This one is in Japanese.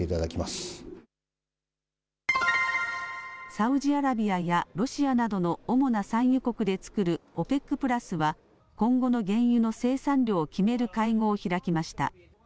サウジアラビアやロシアなどの主な産油国で作るＯＰＥＣプラスは今後の原油の生産量を決める会合を開きました。